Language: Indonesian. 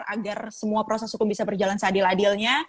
agar semua proses hukum bisa berjalan seadil adilnya